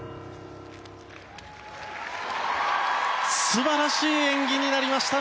素晴らしい演技になりました